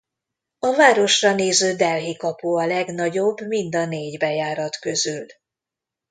A városra néző Delhi kapu a legnagyobb mind a négy bejárat közül.